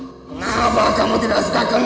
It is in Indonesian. kenapa kamu tidak suka kentang